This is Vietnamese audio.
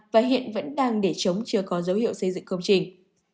và hiện vẫn đang để chống chưa có dấu hiệu xây dựng công trình